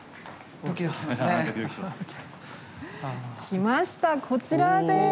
きましたこちらです！